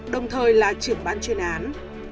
đồng thời là trưởng bán chuyên án